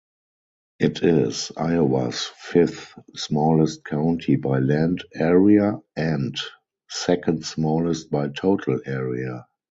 It is Iowa's fifth-smallest county by land area and second-smallest by total area.